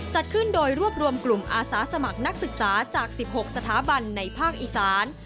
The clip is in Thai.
จัดขึ้นโดยรวบรวมกลุ่มอาสาสมัครนักศึกษาจาก๑๖สถาบันในภาคอีสาน